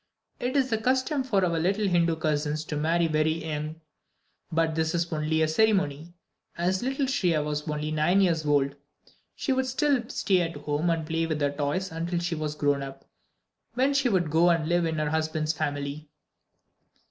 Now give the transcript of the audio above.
It is the custom for our little Hindu cousins to marry very young. But this is only a ceremony. As little Shriya was only nine years old, she would still stay at home and play with her toys until she was grown up, when she would go and live in her husband's family.